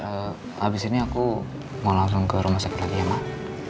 habis ini aku mau langsung ke rumah sakit lagi ya mak